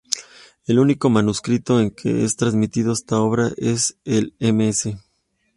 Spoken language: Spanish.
El único manuscrito en que se ha transmitido esta obra es el Ms.